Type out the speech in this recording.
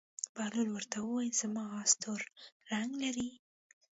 بهلول ورته وویل: زما اس تور رنګ لري.